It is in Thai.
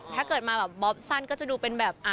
ถ้าเกิดมาแบบบ๊อบสั้นก็จะดูเป็นแบบ